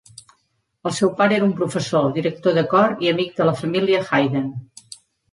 El seu pare era un professor, director de cor i amic de la família Haydn.